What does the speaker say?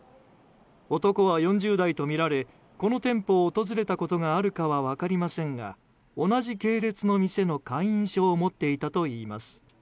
男は４０代とみられこの店舗を訪れたことがあるかは分かりませんが同じ系列の店の会員証を持っていたといいます。